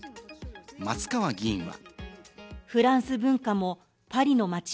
松川議員は。